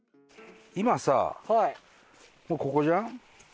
今さもうここじゃん？